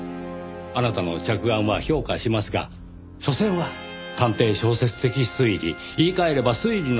あなたの着眼は評価しますがしょせんは探偵小説的推理言い換えれば推理のための推理。